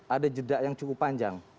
ada jeda yang cukup panjang